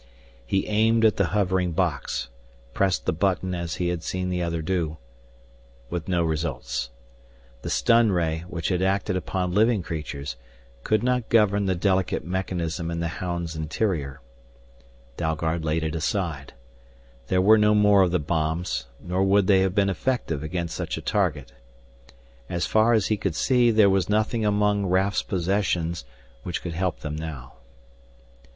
He aimed at the hovering box, pressed the button as he had seen the other do, with no results. The stun ray, which had acted upon living creatures, could not govern the delicate mechanism in the hound's interior. Dalgard laid it aside. There were no more of the bombs, nor would they have been effective against such a target. As far as he could see, there was nothing among Raf's possessions which could help them now.